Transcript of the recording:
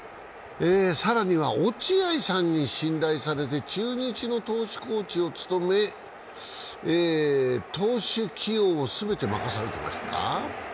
更には落合さんに信頼されて中日の投手コーチを務め、投手起用をすべて任されていました。